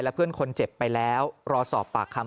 เพื่อนคนเจ็บไปแล้วรอสอบปากคำ